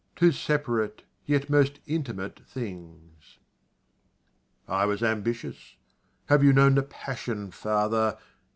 Two separate yet most intimate things. I was ambitious have you known The passion, father?